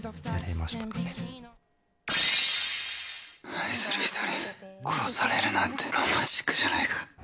愛される人に殺されるなんてロマンチックじゃないか。